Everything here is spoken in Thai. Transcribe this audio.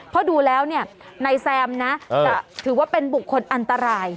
ก็ดูแล้วเนี่ยในแซมนะถือว่าเป็นบุคคลอันตราย